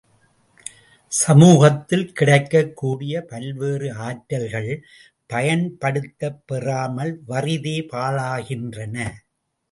சமூகத்தில் கிடைக்கக் கூடிய பல்வேறு ஆற்றல்கள் பயன்படுத்தப் பெறாமல் வறிதே பாழாகின்றன.